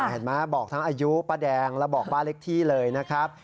เห็นไหมบอกทั้งอายุป้าแดงและบอกป้าเล็กที่เลยนะครับ